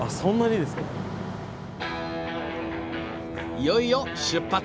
いよいよ出発。